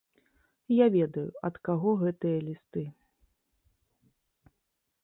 Я ведаю, ад каго гэтыя лісты.